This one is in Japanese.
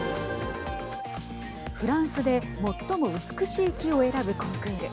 フランスで最も美しい木を選ぶコンクール。